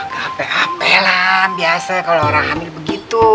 gapapa lah biasa kalo orang hamil begitu